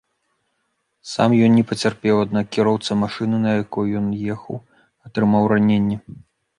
Сам ён не пацярпеў, аднак кіроўца машыны, на якой ён ехаў, атрымаў раненне.